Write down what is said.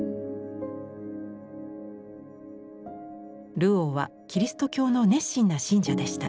ルオーはキリスト教の熱心な信者でした。